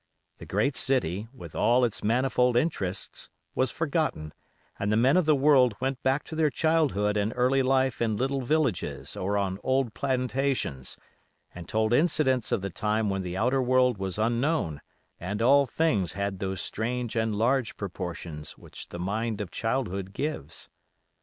The great city, with all its manifold interests, was forgotten, and the men of the world went back to their childhood and early life in little villages or on old plantations, and told incidents of the time when the outer world was unknown, and all things had those strange and large proportions which the mind of childhood gives.